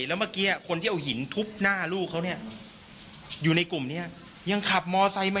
แล้วเมื่อกี้คนที่เอาหินทุบหน้าลูกเขาเนี่ยอยู่ในกลุ่มนี้ยังขับมอไซค์มา